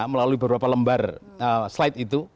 melalui beberapa lembar slide itu